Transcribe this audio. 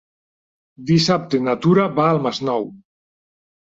Dissabte na Tura va al Masnou.